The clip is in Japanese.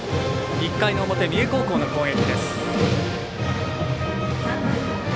１回の表、三重高校の攻撃です。